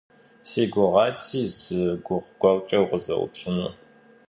Си гугъати зы гугъу гуэркӀэ укъызэупщӀыну.